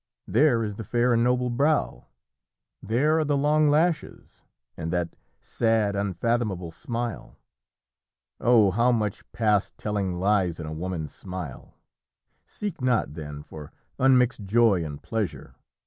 There is the fair and noble brow, there are the long lashes, and that sad, unfathomable smile. Oh, how much past telling lies in a woman's smile! Seek not, then, for unmixed joy and pleasure!